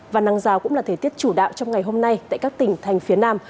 và nắng rào cũng là thời tiết chủ đạo trong ngày hôm nay tại các tỉnh thành phía nam